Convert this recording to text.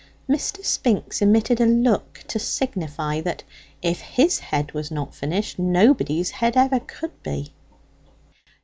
Mr. Spinks emitted a look to signify that if his head was not finished, nobody's head ever could be.